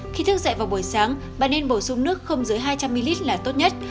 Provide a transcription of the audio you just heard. khi thức dậy vào buổi sáng bà nên bổ sung nước không dưới hai trăm linh ml là tốt nhất